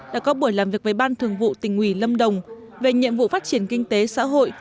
đã có buổi làm việc với ban thường vụ tỉnh ủy lâm đồng về nhiệm vụ phát triển kinh tế xã hội